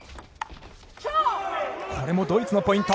これもドイツのポイント。